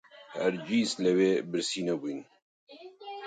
هەرگیز لەوێ برسی نەبووین